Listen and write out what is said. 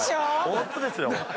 ⁉ホントですよ。